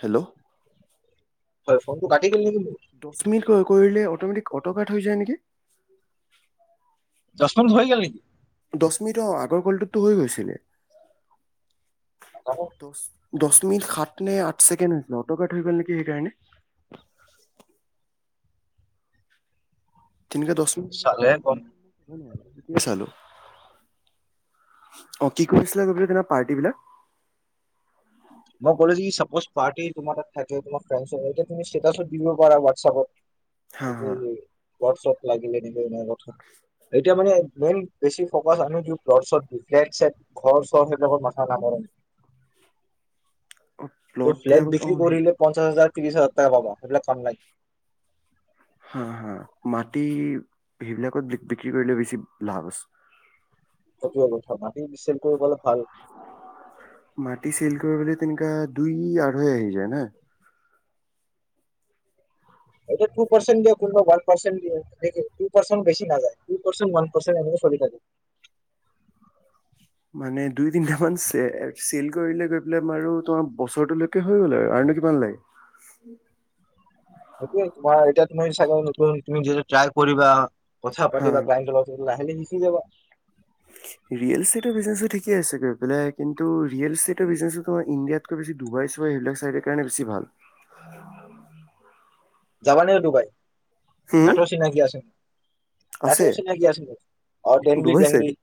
Hello. হয়। ফোনটো কাটি গ'ল নেকি মোৰ? দছ মিনিট ক কৰিলে, অট'মেটিক অট'কাট হৈ যায় নেকি। দছ মেন হৈ গেল নে দছ মিনিট অ', আগৰ কলটোতটো হৈ গৈছিলে। নাজানো দছ দছ মিনিট সাত নে আঠ ছেকেণ্ড হৈছিলে অ'টকাট হৈ গ'ল নেকি সেইকাৰণে তিমিকে দছ চালেহে গম মিনিট চালো অ', কি কৰিছিলে গৈ তেনে পাৰ্টি বিলাক? মই কৰিজো চাপজ পাৰ্টি তোমাৰ তাত থাকে মাৰ ফ্ৰয়া তুমি দিব পাৰা হা হোৱাটছএপত। হা [unintelligible] ওৱৰচপ লাগিলে এক কথা, এতিয়া মানে মেইন বেছি ফকাচ আমি দিও [unintelligible] ঘৰ চৰ সেইবিলাকত মাথা নামাৰো। অ ত প্লট ফ্লেট বিলাকত অ বিক্ৰী কৰিলে পঞ্চাশ হাজাৰ ত্ৰিশ হাজাৰ টকা পাবা সেইবিলাক কাম নাই হা হা মাটি সেইবিলাকত বি বিক্ৰী কৰিলে বেছি লাভ আছে সেটোৱে কথা মাটি ৰিসেল কৰিবলৈ ভাল মাটি চেল কৰিবলে তেনোকা দুই আঢ়ৈ আহি যায় না এটো টু পাৰ্চেন্ট দিয়ে কোনবা ওয়ান পাৰ্চেন্ট দিয়ে। এটো টু পাৰ্চেন্ট বেছি নাযায় টু পাৰ্চেট ওৱান পাৰ্চেট এনে চলি থাকে মানে দুই তিনটা মান সে সেল কৰিলে গৈ পেলায় বাৰু তোমাৰ বছৰটোলৈকে হৈ গল আৰু নো কিমান লাগে সেইটোৱে তোমাৰ এতিয়া তুমি চাগে তুমি যিটো ট্ৰায় কৰিবা কথা হা হা পাতিবা তাইৰ লগত ওলায় খালে শিকি যাবা ৰিয়েল ইষ্টেটৰ বিজনেসটো ঠিকে আছে মানে কিন্ত ৰিয়েল ইষ্টেটৰ বিজনেসত তোমাৰ ইন্ডিয়াতকৈ বেচি দুবাইত সুবাই এবিলাক সাইডৰ কাৰণে বেচি ভাল যাবা নেকি দুবাই? হুম তাতও চিনাকি আছে তাতো আছে চিনাকি আছিলে ডেনভি ডুবাই ডেন [unintelligible] চাইডে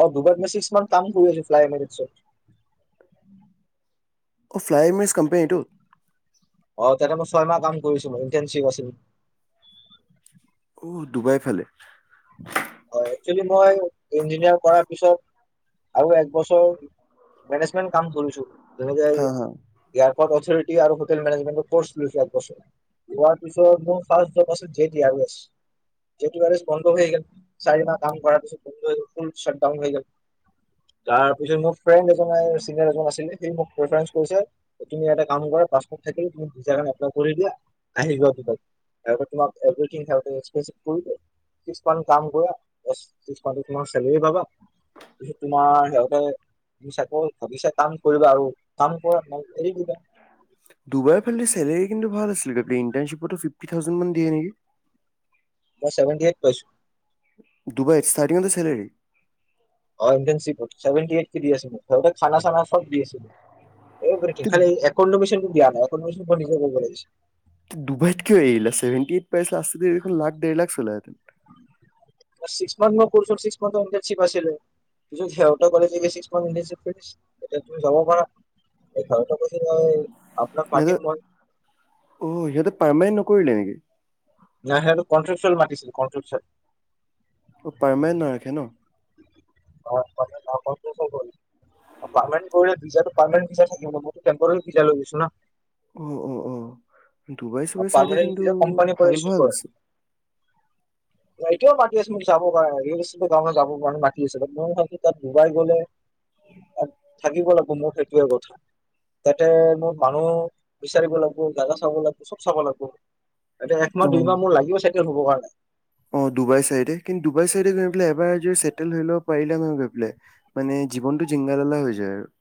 অ দুুবাইত মই ছিক্স মান্থ কাম ফু গছে ফ্লাই মেজিৰ চত [unintelligible] অ' ফ্লাই মিছ কোম্পনীটো অ তাতে মই ছয় মাহ কাম কৰিছিলো। ইনটাৰ্নশ্বিপ আছিলে দুবাই ফালে হয় একচুৱেলি মই ইঞ্জিনিয়াৰ কৰাৰ পিছত আৰু এক বছৰ মেনেজমেন্ট কাম কৰিছো তুমি যে হা আজি হা ইয়াৰ আৰু হোটেল মেনেজমেন্টৰ কোৰ্ছ লৈছো একবছৰ লোৱাৰ পিছত মোৰ ফাষ্ট জব আছিল J D R S, J D R S বন্ধ হৈ গেল চাৰি মাহ কাম কৰাৰ পিছত বন্ধ হৈ গল ফুল শ্বাটডাউন হৈ গল। তাৰ পিছত মোৰ ফ্ৰেণ্ড এজন চিনিয়াৰ এজন আছিলে সি মোক প্ৰিফাৰেন্ছ কৰিছে তুমি্ এটা কাম কৰা পাছপোৰ্ট থাকিলে তুমি ভিসা এখন এপলাই কৰি দিয়া আহি থাকিব তাৰপিছত তোমাৰ [inaudible] কৰা প্লাস ছিক্স মান্থৰ চেলাৰী পাবা পিছত তোমাৰ সিহঁতে তুমি চাকৰিত ভাবিছা টাৰ্ণ কৰিবা আৰু টাৰ্ণ কৰা নাই এৰি দিবা দুবাইৰ কিন্তু চেলাৰী কিন্তু ভাল আছিলে ইন্টাৰশিপতে ফিপটি থাউজেনড কে দিয়ে নেকি মই চেভেণ্টিএইট পাইছো দুবাইত ষ্টাৰ্টিং অতে চেলাৰী অ ইনর্টানশ্বিপত ছেভেন্টি এইট কে দি আছিলে মোক সিহঁতে খানা চানা সব দি আছিলে এইবোৰে খালি একোমডেছনটো দিয়া নাই একোমডেছনটো নিজে কৰিব লাগিছে তে দুবাইত কিয় এৰিলা? ছেভেন্টি এইট পাইছা আস্তে ধীৰে দেখুন লাখ দেৰ লাখ ছুলে হেতেন ইমান দিন কোৰ্সৰ ইনৰ্টানশ্বিপ আছিলে পিছত সিহঁতে কলে যে এতিয়া ছিক্স মান্থ ইনৰ্টানশ্বিপ শেষ এতিয়া তুমি যাব পাৰা, ঘৰতে ও কৈছে নাই সিহঁতে অ সিহঁতে পাৰ্মানেন্ট কৰিলে নেকি নাই সিহঁতে কট্ৰেকচুৱেল মাতিছিল কট্ৰেকচুৱেল অ পাৰমানেণ্ট নাৰাখে ন [unintelligible] পাৰমেণ্ট কৰিলে ভিজাতো, পাৰমেণ্ট ভিজাই হ'ব, টেম্পৰাৰিং ভিজাই লৈ গৈছো না উ-উ অ'। ডুবাই-চুবাই চাইদে পাৰ্মানেণ্ট কিন্তু ভিছা কোম্পানীৰ পৰা ভাল ইছ্যু ভাল কৰে আছে। এতিয়াও মাতি আছে মোক যাব কাৰণে, [unintelligible] গে যাব কাৰণে মাতি আছিল মই ভাবো তাত ডুবাই গলে তাত থাকিব লাগিব, মোৰ সেইটোয়ে কথা তাতে, মোৰ মানুহ বিচাৰিব লাগিব, চাগা চাব লাগিব। চব চাব লাগবো। এতিয়া একমাহ, দুই অ মাহ মোৰ লাগিব চাগে। হ'ব কাৰণে। অ' ডুবাই চাইডে কিন্তু ডুবাই চাইডে গৈ পেলাই এবাৰ যদি চেটেল হৈ ল'ব পাৰিলা নহয় গৈ পেলাই মানে জীৱনটো জিংগালালা হৈ যায় আৰু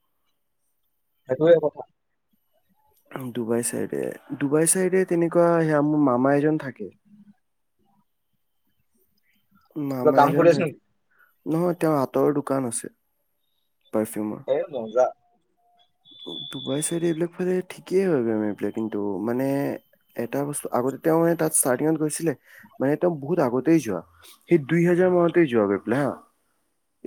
সেইটোয়ে কথা। ডুবাই চাইডে, ডুবাই চাইডে তেনেকুৱা সেয়া মোৰ মামা এজন থাকে। কিবা মামা কাম এজন কৰি আছ থাকে। নেকি নহয় তেওঁৰ আঁতৰ দোকান আছে। পাৰফিউমৰ হে মজা। ডুবাই চাইডে এইবিলাক ফালে ঠিকেই হয় গৈ এই কিন্তু মানে এটা বস্তু আগতে, তেওঁ মানে তাত ষ্টাৰ্টিঙত গৈছিলে মানে তেওঁ বহুত আগতেই যোৱা সেই দুই হাজাৰ মানতেই যোৱা গৈ পাই হা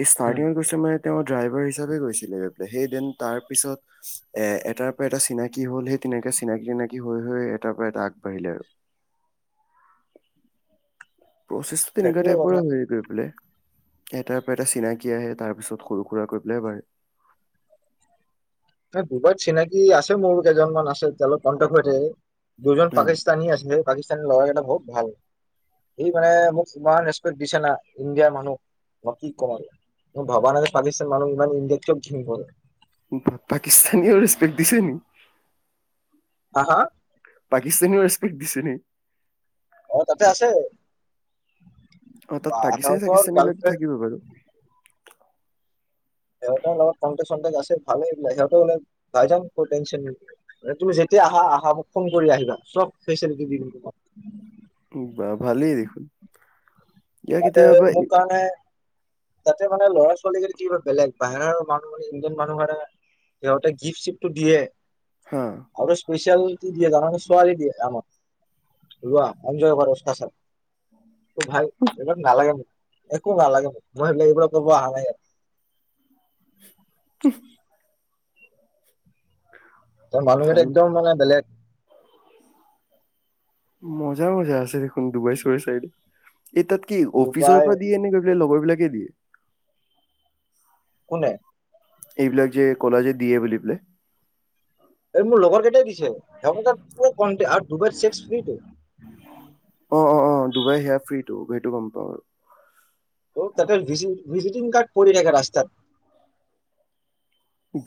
এই উম ষ্টাৰটিংৰ কৈছে মানে তেওঁ ড্ৰাইভাৰ হিচাপে গৈছিলে, সেইদিন তাৰ পিছত এ এটাৰ পৰা এটা চিনাকি হ'ল, সেই তেনেকৈ চিনাকি চিনাকি হৈ হৈ, এটাৰ পৰা এটা আগবাঢ়িলে আৰু। প্ৰচেছটো তেনেকুৱা সেইটোয়ে টাইপৰে কথা হয়, গৈ পেলাই। এটাৰ পৰা এটা চিনাকি আহে, তাৰ পিছত সৰু - সুৰা কৰি পেলাই বাঢ়ে। ডুবাইত চিনাকি আছে মোৰ কেইজন মান আছে, তেওঁলোকৰ কণ্টেক্ট হৈ থাকে। দুজন অ পাকিস্তানী আছে। পাকিস্তানী ল'ৰা কেইটা বহুত ভাল, সি মানে মোক ইমান ৰেচপেক্ট দিছে না, ইণ্ডিয়াৰ মানুহ কি কম, মই ভবা নাই যে পাকিস্তান মানুহ ইমান ইণ্ডিয়াত কে ভাল। বা, পাকিস্তানীও ৰেচপেক্ট দিছে নি? হা- হা। পাকিস্তানীও ৰেচপেক্ট দিছে নে? অ' তাতে আছে। অ' তাত পাকিস্তানী, আকাশৰ চাকিস্তানী বিলাক গাৰ্লফ্ৰেণ্ড থাকিব বাৰু। সিহঁতৰ লগত কণ্টেক্ট, চণ্টেক আছে, ভালে সিহঁতে, তুমি যেতিয়া আহা, আহা মোক ফোন কৰি আহিবা, চব ফেচেলিতী দিম তোমাক। বা! ভালেই দেখোন। ইয়াৰ তাতে, কেতিয়াবা মোৰ এই- কাৰণে তাতে মানে ল'ৰা-ছোৱালী কিবা বেলেগ বাহিৰৰ মানুহ মানে, ইণ্ডিয়ান মানুহ ধৰা সিহঁতে গিফ্ট- চিফ্টটো দিয়ে। হা আৰু স্পেচিয়েল দিয়ে জানানে ছোৱালী দিয়ে আমাৰ, লোৱা এঞ্জয় কৰা। এইবিলাক নালাগে মোক। একো ভাল লাগে, মই সেইবিলাক কৰিব অহা নাই ইয়াত। [inaudible] ত মানুহকেইটা, ভাল একদম মানে বেলেগ। মজা মজা আছে চোন ডুবাই, চুবাই চাইডে। এই তাত কি অফিচৰ ডুবাই পৰা দিয়েনে, নে লগৰ দে কোনে? এইবিলাক যে কলা যে দিয়ে বুলি পেলাই। [unintelligible] লগৰ কেইটাই দিছে, [unintelligible] [unintelligible] অ' অ' অ' ডুবাই সেয়া ফ্ৰীটো, সেইটো গম পাওঁ তাতে, ভিজি-ভিজিটিং কাৰ্ড পৰি থাকে ৰাস্তাত।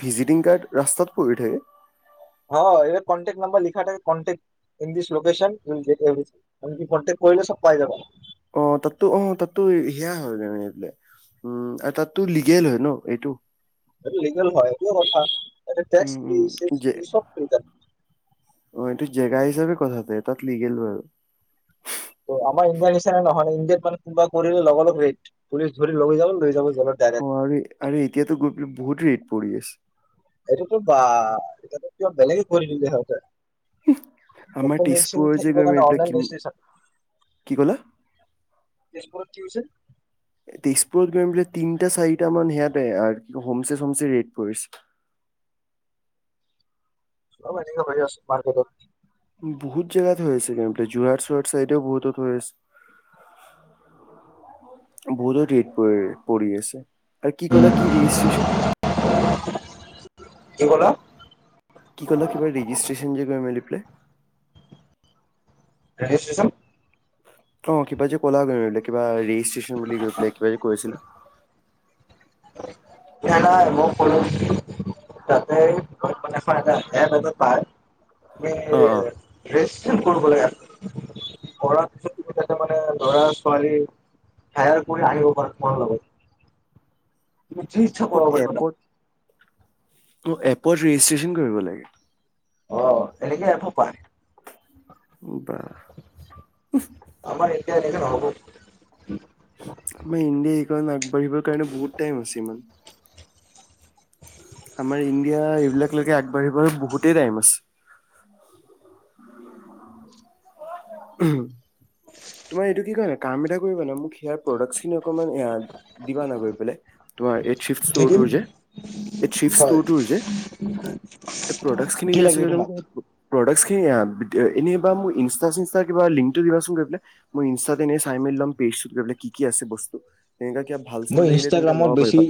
ভিজিটিং কাৰ্ড ৰাস্তাত পৰি থাকে? অ' কণ্টেক্ট নাম্বাৰ লিখা থাকে, contact in this location, you will get everything, [unintelligible] contact কৰিলে চব পাই যাবা অ তাততো, অ তাততো সেয়া হয় মানে এই বোলে, উম আৰু তাততো লিগেল হয় ন, এইটো সেইটো লিগেল হয়, সেইটোহে কথা তাতে উম, টেক্স-ফ্ৰী, [unintelligible] - উম, যে ফ্ৰী, চব ফ্ৰী তাতে। অ' এইটো জেগা হিচাপে কথা বে, তাত লিগেল হয়। আমাৰ ইণ্ডিয়াৰ নিচিনা নহয়, ইণ্ডিয়াত মানে কোনোবা কৰিলে লগা-লগ ৰেড, পুলিচ ধৰি লৈ যাব, লৈ যা অ, আৰু, আৰু এতিয়াতো গৈ পেলাই বহুত ৰেড পৰি আছে এইটোতো বা, এতিয়াটো কিবা বেলেগে কৰি দিলে হেঁতেন আমাৰ অপ মেচিন তেজপুৰৰ যে থাকিব গৈ কাৰণে এইবিলাক কি অনলাইন ৰেজিষ্ট্ৰেচন, কি ক'লা? তেজপুৰত কি হৈছে? তেজপুৰত গৈ বোলে তিনটা-চাৰিটা মান সেয়াতে আৰ, হোমচে-চোমচে ৰেড পৰিছে। চব আজিকালি ভ্যালুলেছ মাৰ্কেটত [unintelligible] বহুতো ধৰি আছ, [unintelligible] ৰেড পৰি-পৰি আছে আৰু কি কলা কি ৰেজিষ্ট্ৰেচন? কি ক'লা কি ক'লা? কিবা ৰেগিষ্ট্ৰেচন [unintelligible] প্লে ৰেজিষ্ট্ৰেচন অ কিবা যে ক'লা গোলে, কিবা ৰি [unintelligible] বুলি গৈ পেলাই কিবা কৈছিলা [inaudible] [inaudible] [inaudible] অ অ কৰিব লাগে, কৰাৰ পিছত তুমি তাতে মানে ল'ৰা-ছোৱালী হায়াৰ কৰি আহিব পাৰা তোমাৰ লগত। তুমি অ [unintelligible] [unintelligible] এপত অ এপত ৰেজিষ্ট্ৰচন কৰিব লাগে অ এনেকে এফো পায় বাহ আমাৰ এতিয়া এনেকে নহ'ব মই ইণ্ডি খন আগবাঢ়িবৰ কাৰণে বহুত টাইম আছে ইমান আমাৰ ইন এতিয়া এইবিলাক লকে আগবাঢ়িবলৈ বোক গুটোই টাইমছ উম তোমাৰ এইটো কি ক কাম এ কৰিবা না মোক হিয়াৰ প্ৰদাকচ্ খিন অকমান দিবা না গৈ পিলে তোমাৰ দি ষ্টৰ টো দিম যে এই চি হয় ষ্টোৰ টোৰ যে এই প্ৰডাক্ট খিনি কি যে আ লাগিব তোমাক প্ৰডাক্ট সেয়া এনেইবা মোক ইনষ্টা চিনষ্টা কিবা লিংকটো দাচোন গৈ পেলাই মই ইনষ্টাত এনেই চাই মেলি লম পেছটোত গৈ পিলে কি কি আছে বস্তু তেনেকা কিবা ভাল চাল মই লাগিলে তেনেকা ল'ব ইনষ্টাগ্ৰামত বেছি পাৰিবা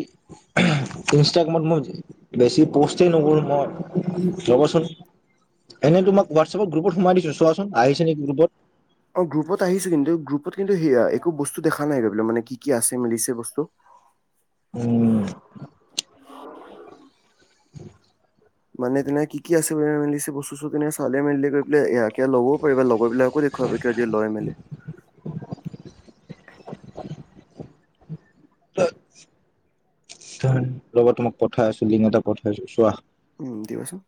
ইনষ্টাগ্ৰামত মই বেছি প'ষ্টেই নকৰোঁ মই ৰ'বচোন এনেই তোমাক হোৱাটছপত গ্ৰুপত সোমাই দিছো চোৱাচোন আহিছে নেকি গ্ৰুপত অ গ্ৰুপত আহিছো কিন্তু গ্ৰুপত কিন্তু সেয়া একো বস্তু দেখা নাই ৰ বল মানে কি কি আছে মেলিছে বস্তু উম মানে তেনে কি আছে বুলি মেলিলিছে বস্তু চ তেনে চালে মেলিলি গৈ পেলাই এয়া এ ল'বও পাৰিবা লগৰবিলাকো দেখুৱাব কিয় আজি লৈ মেলি ৰবা তোমাক পঠাই আছো লিং এটা পঠাইছো চোৱা উম দিৱচোন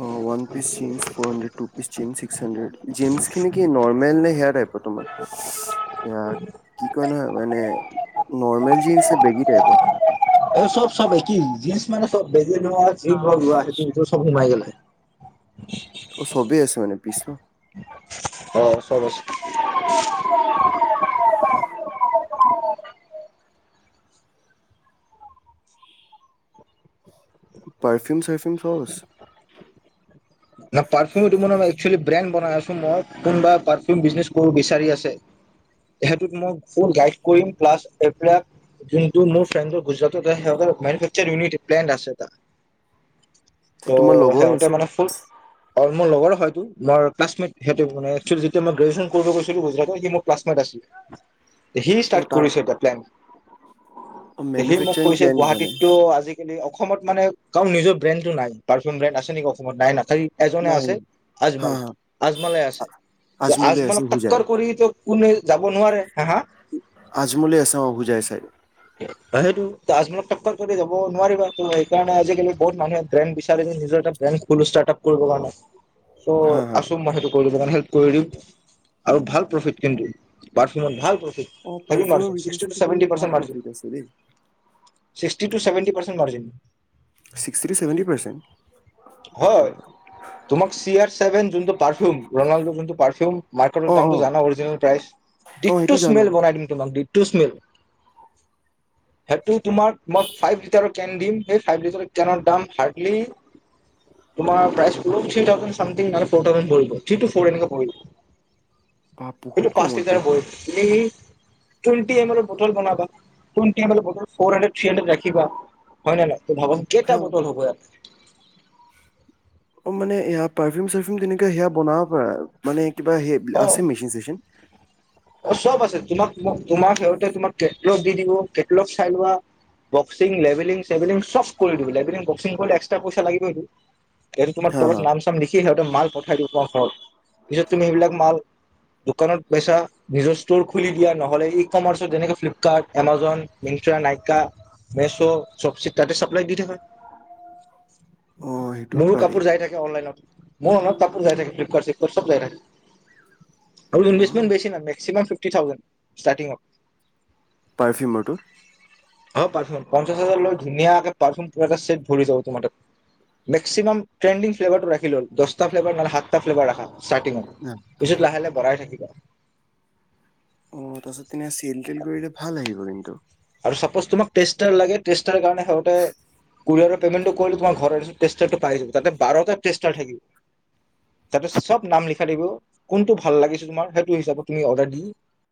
অ ওৱান পিছ চিঞ্চচ্ ফ'ৰ টু পিছ চিঞ্চচ্ হান্ডেড জিৰ্ণচ্ খিনি কি নৰ্মেল নে সেয়া টাইপৰ তোমাৰ সেয়া কি কয় নহয় মানে নৰ্মেল জিনচ্ নে বেগী টাইপৰ অ চব চব একেই মানে ফ বে যি লোৱা, যি নোলোৱা, সেইটো নিজৰ চও মাৰিবলে [unintelligible] অ' চবেই আছে মানে? পি ছ অ', চব আছে। [unintelligible] পাৰফিউম চাৰফিউম চব আছে। নাই, পাৰফিউ দিব নালাগে। একচুলী ব্ৰেণ্ড বনাই আছো মই। কোনোবা পাৰফিউম বিজনেজ কৰিব বিচাৰি আছে, সেইটোত মই ফুল গাইড কৰিম প্লাছ এইবিলাক যোনটো মোৰ ফ্ৰেণ্ড হয়, গুজৰাটতঁ সিহঁতৰ মনফিক্সাৰ ইউনিতিৰ ব্ৰেণ্ড আছে এটা। অ ত' তোমাৰ লগৰ সিহঁতে আছে মানে ফুল অ' মোৰ লগৰ হয় টো। তোমাৰ ক্লাছমেট সিহঁতে যেতিয়া মই গ্ৰেজোৱেচন কৰিব গৈছিলো গুজৰাটত সি মোৰ ক্লাছমেট আছিলে সি অ ষ্টাৰ্ট তাৰ কৰিছে এটা প্লেন? সি মোক মেনুফেকচাৰিং কৈছে, প্লেন মানে গুৱাহাটীতটো আজিকালি অসমত মানে কাৰণ নিজৰ ব্ৰেণ্ড টো নাই। পাৰফিউম ব্ৰেণ্ড আছে নেকি অসমত, নাই না? খালি এজনে নাই আছে, নাই। হা আজমল। হা আজমলেই আছে। ত' আজমলে আছে আজমলক হোজাই টাক্কৰ কৰি টো কোনোৱে যাব নোৱাৰে। হা হা। আজমলে আছে অ হোজাই চাইডে সেইটো আজমলক টক্কৰ কৰি যাব নোৱাৰিব, সেইকাৰণে আজিকালি বহুত মানুহে ব্ৰেণ্ড বিচাৰে যে, নিজৰ এটা ব্ৰেণ্ড খুলি ষ্টাৰ্টআপ -কৰিব কাৰনে ত' হা হা আছো মই সেইটো কৰি দিব কাৰণে। হেল্প কৰি দিম। আৰু ভাল প্ৰফিট কিন্তু। পাৰফিউমত ভাল প্ৰফ অ এনি পাৰফিউমৰ মাৰ্জি। ছিক্সটি টো বিজনেচতো চেভেন্তি কিন্তু ভাল পাৰ্ছেণ্ট মাৰ্জি। প্ৰফিট আছে দেই sixty two seventy percent margin. Sixty টো চেভেণ্টি পাৰ্চেণ্ট? হয় বাহ তোমাক চি আৰ চেভেন যোনটো পাৰফিউম, ৰনাল্ড যোনটো পাৰফিউম, মাৰ্কেটৰ অ অ দামটো জানা অৰিজিনেল প্ৰাইচ? অ ডিত্ত সেইটো জানো স্মেল বনাই দিম তোম ডিত্ত স্মেল হেইটো তোমাৰ মই ফাইভ লিটাৰত কেন দিম সেই ফাইভ লিটাৰৰ কেন্ৰ দাম হাৰ্ডলি তোমাৰ প্ৰাইজ তু, থ্ৰী থাউজেণ্ড ছামথিং নহলে ফ'ৰ থাউজেণ্ড পৰিব। থ্ৰী, ফৰ এনেকে পৰিব। বা বহুত এইটো পাঁচ কমত লিটাৰ দেখোন পৰিব, তুমি টুৱেণ্টি এমেলৰ বতল বনাবা। টুৱেন্টি এমেলৰ bottle four hundred, three hundred ৰাখিবা। হয় নে নাই ভাবক, কেইটা হা বটল হ'ব ইয়াত? অ' মানে এইয়া পাৰফিউম চাৰফিউম তেনেকে, সেয়া বনাব পাৰে? মানে কিবা, সেই ইয়াত আছে মেছিন চেচিন? অ চব আছে। তোমাক তোমাৰ সিহঁতে তোমাক কেটলগ দি দিব, কেটলগ চাই লোৱা। বক্সিং, লেভেলিং চেভিলিং চব কৰি দিব। লেভেলিং, বক্সিং এক্সটা পইচা লাগিবইটো। এইটো তোমাক হা তলত হা নাম চাম লিখি, সিহঁতে মাল পঠাই দিব তোমাৰ ঘৰত। পিছত তুমি সেইবিলাক মাল দোকানত - পইচা নিজৰ ষ্ট'ৰ খুলি দিয়া। নহলে ই কমাৰ্চত যেনেকৈ ফ্লিপকাৰ্ট, এমাজন, মিন্তা, নাইকা, মেছ', চপচিট তাতে চাপ্লাই দি থাকে। অ', সেইটোও মোৰো পাৰি কাপোৰ যাই থাকে অনলাইনত মোৰ মনত কাপ যায় থাকে ফ্লিপকাৰ্ চিপ চব যায় থাকে আৰু ইনবেছমেন্ট অ', বেছি নালাগে কিমান ফিফ্টি থাউজেণ্ড সষ্টাৰ্টিংত পাৰফিউমৰটো হয় পাৰফিউ পঞ্চাশ হাজাৰ লয়, ধুনীয়াকে পাৰফিউম এটা ছেট ভৰি যাব তোমাৰ তাত। মেক্সিমাম ট্ৰেণ্ডিং ফ্লেভাৰটো ৰাখিলে হ'ল, দহটা ফ্লেভাৰ নহলে সাতটা ফ্লেভাৰ ৰাখা ষ্টাৰ্টিঙত, অ', পিছত লাহে লাহে বঢ়াই থাকিবা। অহ তাৰপাছত তেনে চেল তেল কৰিলে ভাল আহিব কিন্তু আৰু ছাপ'জ তোমাক টেষ্টাৰ লাগে টেষ্টাৰ কাৰণে সিহঁতে কোৰিয়াৰৰ পে'মেণ্টটো কৰিলে তোমাৰ ঘৰতছো টেষ্টাৰটো পাই যাব তাতে বাৰটা টেষ্টাৰ থাকিব তাতে চব নাম লিখা দিব কোনটো ভাল লাগিছে তোমাৰ সেইটো হিচাপত তুমি অৰ্ডাৰ দি